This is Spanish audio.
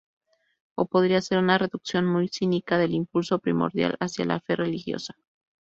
O podría ser una reducción muy cínica del impulso primordial hacia la fe religiosa.